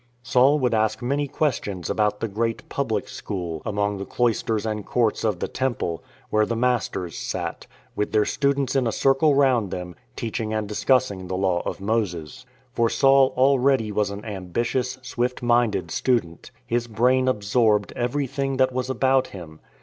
Saul would ask many questions about the great " public school " among the cloisters and courts of the Temple, where the masters sat, with their students in a circle round them, teaching and discussing the Law of Moses. For Saul already was an ambitious, swift minded student. His brain absorbed everything that was about him.